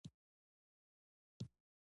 ځیني تر پایه پاته شول.